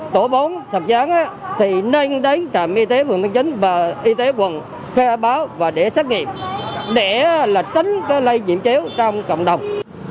tổ bốn thập gián thì nên đến trạm y tế phường tân chính và y tế quận khe báo và để xét nghiệm để là tránh lây nhiễm chéo trong cộng đồng